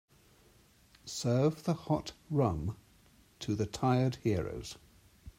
Serve the hot rum to the tired heroes.